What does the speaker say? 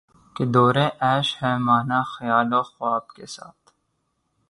کہ دورِ عیش ہے مانا خیال و خواب کے ساتھ